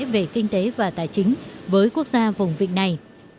về kinh tế và tài chính với quốc gia vùng vịnh này